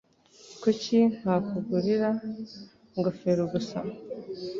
Kuki ntakugurira ingofero gusa?